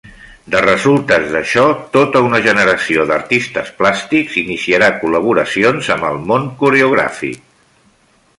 De resultes d'això, tota una generació d'artistes plàstics iniciarà col·laboracions amb el món coreogràfic.